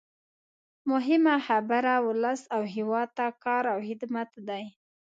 مهمه خبره ولس او هېواد ته کار او خدمت دی.